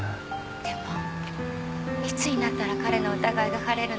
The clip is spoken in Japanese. でもいつになったら彼の疑いが晴れるのか。